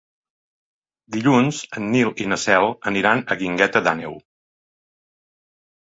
Dilluns en Nil i na Cel aniran a la Guingueta d'Àneu.